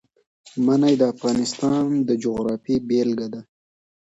منی د افغانستان د جغرافیې بېلګه ده.